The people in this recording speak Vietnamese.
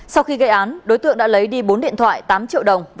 sau khi gây án đối tượng đã lấy đi bốn điện thoại tám triệu đồng